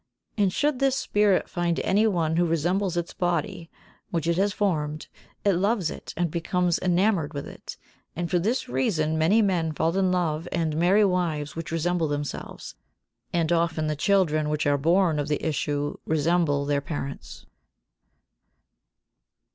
And should this spirit find any one who resembles its body, which it has formed, it loves it and becomes enamoured with it, and for this reason many men fall in love and marry wives which resemble themselves, and often the children which are born of the issue resemble their parents.